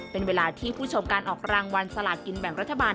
เป็นเวลาที่ผู้ชมการออกรางวัลสลากินแบ่งรัฐบาล